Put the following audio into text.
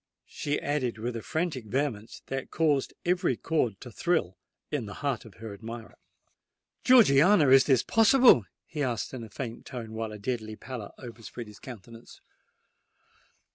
she added with a frantic vehemence that caused every chord to thrill in the heart of her admirer. "Georgiana, is this possible?" he asked, in a faint tone, while a deadly pallor overspread his countenance.